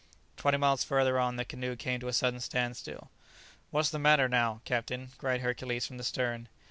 Twenty miles further on the canoe came to a sudden standstill. "What's the matter now, captain?" cried Hercules from the stern.